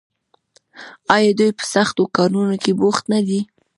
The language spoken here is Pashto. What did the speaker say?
آیا دوی په سختو کارونو کې بوخت نه دي؟